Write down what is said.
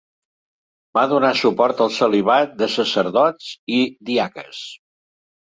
Va donar suport al celibat de sacerdots i diaques.